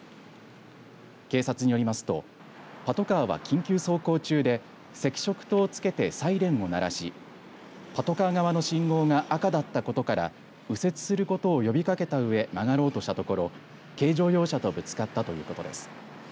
警察によりますとパトカーは緊急走行中で赤色灯をつけてサイレンを鳴らしパトカー側の信号が赤だったことから右折すること呼びかけたうえ曲がろうとしたところ軽い乗用車とぶつかったということです。